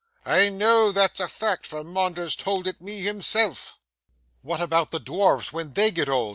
I know that's a fact, for Maunders told it me himself.' 'What about the dwarfs when they get old?